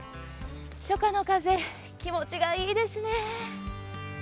初夏の風、気持ちがいいですね。